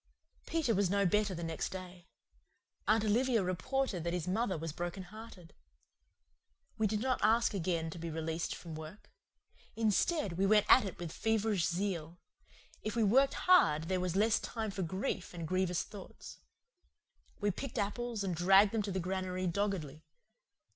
Peter was no better the next day. Aunt Olivia reported that his mother was broken hearted. We did not again ask to be released from work. Instead, we went at it with feverish zeal. If we worked hard there was less time for grief and grievious thoughts. We picked apples and dragged them to the granary doggedly.